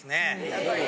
やっぱり？